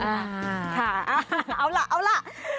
เอาล่ะเอาล่ะ